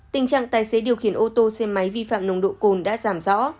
tình trạng tài xế điều khiển ô tô xe máy vi phạm nồng độ cồn đã giảm rõ